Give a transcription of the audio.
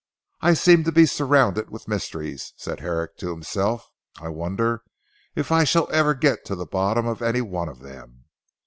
"I seem to be surrounded with mysteries," said Herrick to himself. "I wonder if I shall ever get to the bottom of any one of them.